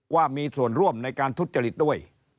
ว่ามีส่วนร่วมในการทุจริตด้วย